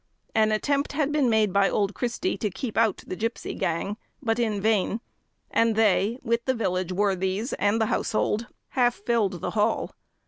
An attempt had been made by old Christy to keep out the gipsy gang, but in vain; and they, with the village worthies, and the household, half filled the hall.